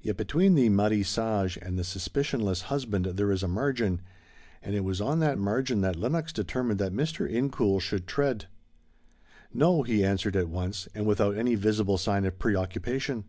Yet between the mari sage and the suspicionless husband there is a margin, and it was on that margin that Lenox determined that Mr. Incoul should tread. "No," he answered at once, and without any visible sign of preoccupation.